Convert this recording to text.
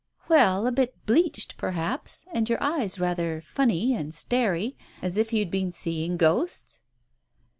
"Well, a bit bleached,, perhaps, and your eyes rather funny and starey, as if you'd been seeing ghosts?"